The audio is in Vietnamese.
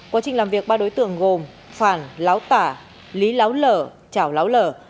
quá trình làm việc ba đối tượng gồm phản láo tả lý láo lở chảo láo lở